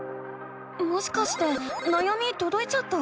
もしかしてなやみとどいちゃった？